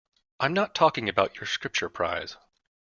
I'm not talking about your Scripture prize.